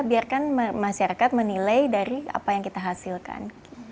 biarkan masyarakat menilai dari apa yang kita hasilkan